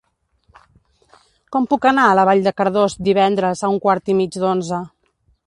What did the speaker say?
Com puc anar a Vall de Cardós divendres a un quart i mig d'onze?